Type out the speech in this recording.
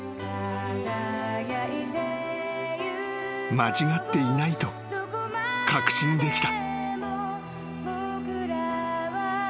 ［間違っていないと確信できた］